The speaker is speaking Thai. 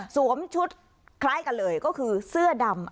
ชุดคล้ายกันเลยก็คือเสื้อดำ